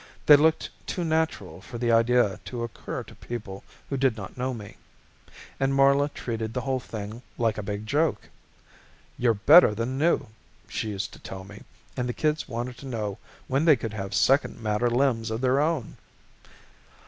They looked too natural for the idea to occur to people who did not know me. And Marla treated the whole thing like a big joke. "You're better than new," she used to tell me and the kids wanted to know when they could have second matter limbs of their own.